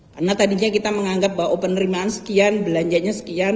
karena tadinya kita menganggap bahwa penerimaan sekian belanjanya sekian